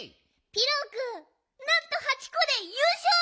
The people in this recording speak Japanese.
ピロくんなんと８こでゆうしょう！